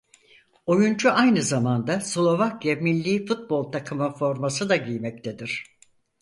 Oyuncu aynı zamanda Slovakya millî futbol takımı forması da giymektedir.